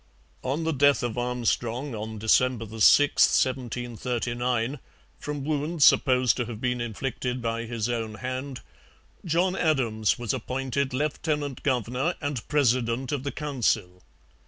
On the death of Armstrong, on December 6, 1739, from wounds supposed to have been inflicted by his own hand, John Adams was appointed lieutenant governor and president of the Council.